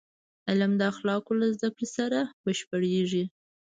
علم د اخلاقو له زدهکړې سره بشپړېږي.